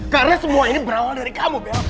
karena semua ini berawal dari kamu bella